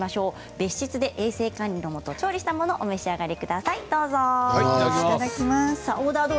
別室で衛生管理のもと調理したものをお召し上がりいただきましょう。